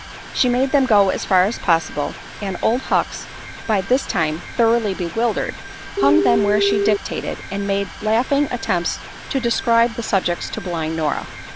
She made them go as far as possible, and Old Hucks, by this time thoroughly bewildered, hung them where she dictated and made laughable attempts to describe the subjects to blind Nora.